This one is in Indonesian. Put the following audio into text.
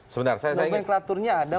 noment klaturnya ada